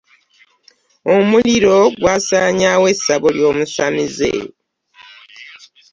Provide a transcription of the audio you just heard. Omuliro gwasaanyaawo essabo ly'omusamize.